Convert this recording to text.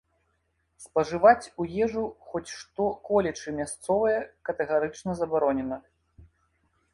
Спажываць у ежу хоць што-колечы мясцовае катэгарычна забаронена.